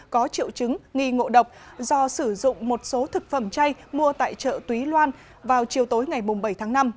có triệu chứng nghi ngộ độc do sử dụng một số thực phẩm chay mua tại chợ túy loan vào chiều tối ngày bảy tháng năm